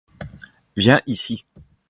Viens ici.